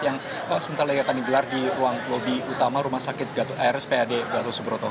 yang sementara itu akan digelar di ruang lobi utama rumah sakit rspad gatosebroto